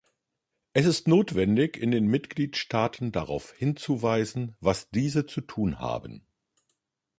Es ist notwendig, in den Mitgliedstaaten darauf hinzuweisen, was diese zu tun haben.